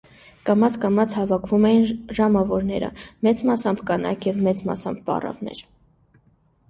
Կամաց-կամաց հավաքվում էին ժամավորները - մեծ մասամբ կանայք և մեծ մասամբ պառավներ: